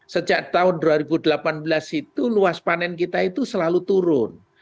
sejak tahun dua ribu delapan belas itu luas panen kita itu selalu turun